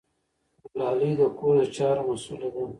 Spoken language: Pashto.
ګلالۍ د کور د چارو مسؤله ده.